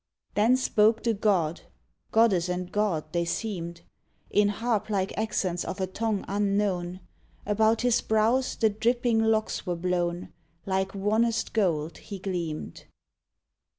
Then spoke the god (goddess and god they seemed), In harplike accents of a tongue unknown — About his brows the dripping locks were blown; Like wannest gold he gleamed.